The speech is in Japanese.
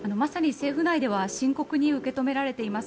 政府は深刻に受け止められています。